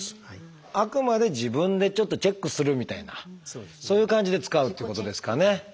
あくまで自分でちょっとチェックするみたいなそういう感じで使うっていうことですかね。